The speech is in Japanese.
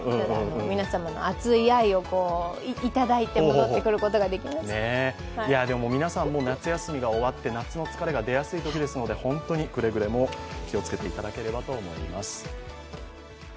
皆さんの熱い愛をいただいて皆さんも夏休みが終わって夏の疲れが出やすいときですので本当にくれぐれも気をつけていただければと思います。